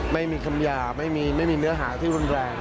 ไม่มีคำหยาบไม่มีเนื้อหาที่รุนแรง